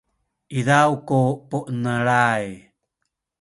izaw ku puenelay